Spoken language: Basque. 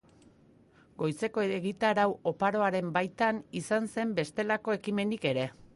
Goizeko egitarau oparoaren baitan, izan zen bestelako ekimenik ere.